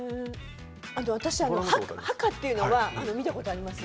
私ハカっていうのは見たことあります。